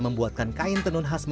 membuatkan kain tenun tersebut